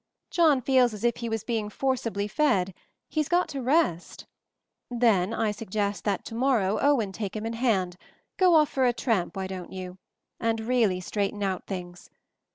"John feels as if he was being forcibly fed — he's got to rest. Then I suggest that to morrow Owen take him in hand — go off for a tramp, why don't you? — and really straighten out things.